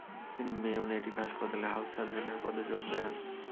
তিনি Mayo native হাসপাতালে house সার্জেনের পদে যোগ দেন।